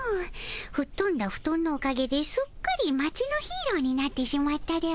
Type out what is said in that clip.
ふっとんだフトンのおかげですっかり町のヒーローになってしまったでおじゃる。